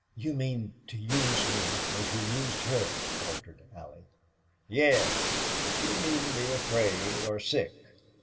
"You mean to use me as you used her?" faltered Allie. "Yes. But you needn't be afraid or sick.